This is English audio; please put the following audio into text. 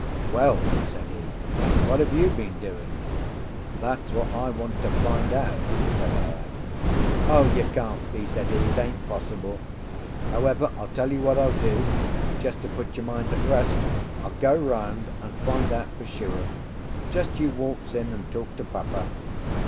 "Well," said he, "what have you been doing?" "That's what I want to find out," said I. "O, you can't be," said he; "it ain't possible. However, I'll tell you what I'll do. Just to put your mind at rest, I'll go round and find out for sure. Just you waltz in and talk to Papa."